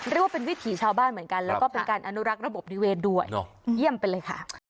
ว่าเป็นวิถีชาวบ้านเหมือนกันแล้วก็เป็นการอนุรักษ์ระบบนิเวศด้วยเยี่ยมไปเลยค่ะ